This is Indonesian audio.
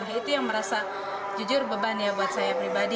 itu yang merasa jujur beban ya buat saya pribadi